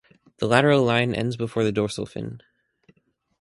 The lateral line ends before the dorsal fin.